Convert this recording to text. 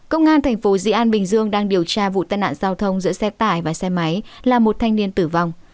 công an thành phố dị an bình dương đang điều tra vụ tai nạn giao thông giữa xe tải và xe máy là một thanh niên tử vong